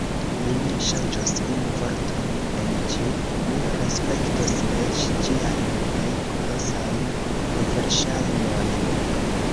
Mi ne ŝanĝos unu vorton en ĝi, mi respektos eĉ ĝiajn plej kolosajn neverŝajnojn.